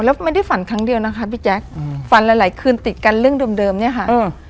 แล้วไม่ได้ฝันครั้งเดียวนะคะพี่แจ๊คอืมฝันหลายหลายคืนติดกันเรื่องเดิมเดิมเนี้ยค่ะอืม